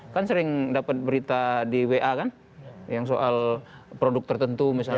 kan sering dapat berita di wa kan yang soal produk tertentu misalnya